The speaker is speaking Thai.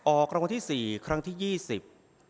ออกรางวัลที่สี่ครั้งที่ยี่สิบ